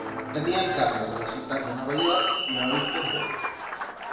Tenien cases a la ciutat de Nova York i a Oyster Bay.